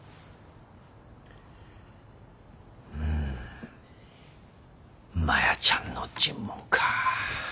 うんマヤちゃんの尋問か。